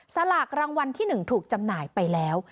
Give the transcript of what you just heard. สลากรางวัลที่๑ถูกจำหน่ายไปแล้ว